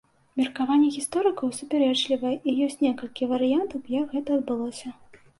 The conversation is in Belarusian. Меркаванні гісторыкаў супярэчлівыя і ёсць некалькі варыянтаў як гэта адбылося.